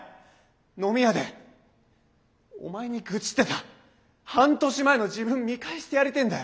飲み屋でお前に愚痴ってた半年前の自分見返してやりてえんだよ！